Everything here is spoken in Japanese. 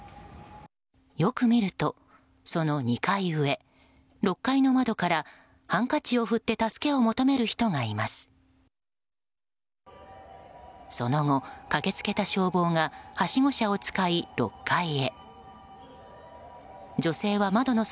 よく見ると、その２階上６階の窓からハンカチを振って助けを求める人がいます。